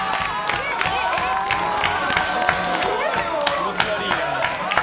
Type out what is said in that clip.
気持ち悪いな。